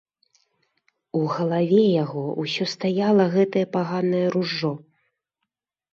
У галаве яго ўсё стаяла гэтае паганае ружжо.